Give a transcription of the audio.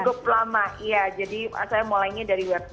cukup lama ya jadi saya mulainya dari website